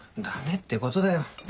ダメってことだよ